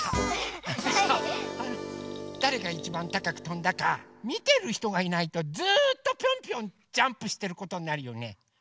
あのさだれがいちばんたかくとんだかみてるひとがいないとずっとぴょんぴょんジャンプしてることになるよね。